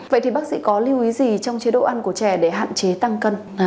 vậy thì bác sĩ có lưu ý gì trong chế độ ăn của trẻ để hạn chế tăng cân